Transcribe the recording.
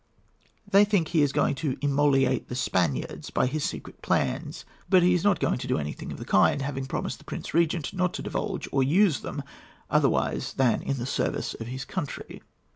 They think he is going to immolate the Spaniards by his secret plans; but he is not going to do anything of the kind, having promised the Prince Regent not to divulge or use them otherwise than in the service of his country."